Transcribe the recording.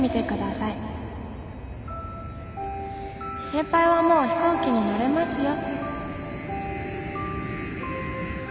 先輩はもう飛行機に乗れますよ